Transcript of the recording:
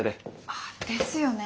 あっですよね！